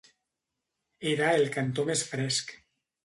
Era el cantó més fresc.